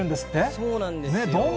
そうなんですよ。